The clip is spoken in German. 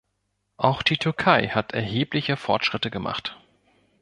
Auch die Türkei hat erhebliche Fortschritte gemacht.